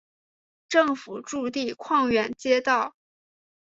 政府驻地匡远街道。